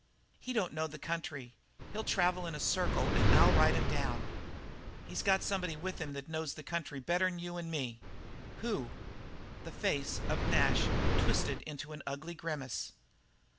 "He don't know the country. He'll travel in a circle and I'll ride him down." "He's got somebody with him that knows the country better'n you or me." "Who?" The face of Nash twisted into an ugly grimace.